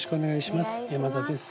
山田です。